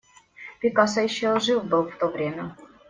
Пикассо еще жив был в то время!